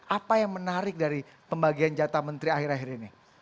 apa yang menarik dari pembagian jatah menteri akhir akhir ini